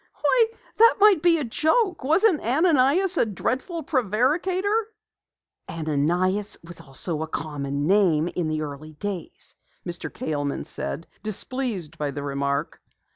"Why, that might be a joke! Wasn't Ananias a dreadful prevaricator?" "Ananias was a common name in the early days," Mr. Kaleman said, displeased by the remark.